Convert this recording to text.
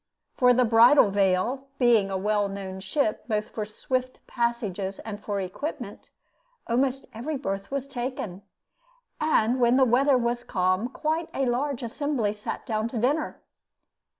For the Bridal Veil being a well known ship both for swift passages and for equipment, almost every berth was taken, and when the weather was calm, quite a large assembly sat down to dinner.